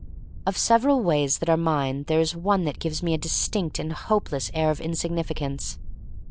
Of several ways that are mine there is one that gives me a distinct and hopeless air of insignificance.